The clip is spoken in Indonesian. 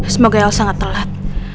semoga elsa gak telat